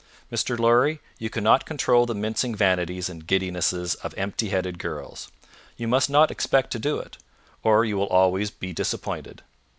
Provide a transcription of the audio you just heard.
Mr. Lorry, you cannot control the mincing vanities and giddinesses of empty headed girls; you must not expect to do it, or you will always be disappointed.